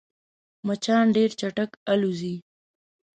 مچان ډېر چټک الوزي